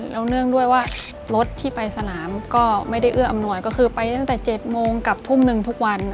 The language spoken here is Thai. แล้วเนื่องด้วยว่ารถที่ไปสนามก็ไม่ได้เอื้ออำนวยก็คือไปตั้งแต่๗โมงกับทุ่มหนึ่งทุกวัน